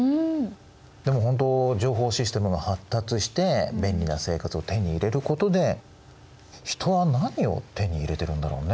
でもほんと情報システムが発達して便利な生活を手に入れることで人は何を手に入れてるんだろうね。